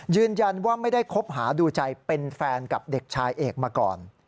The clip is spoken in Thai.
ยืนยันว่าไม่ได้คบหาดูใจเป็นแฟนกับเด็กชายเอกมาก่อน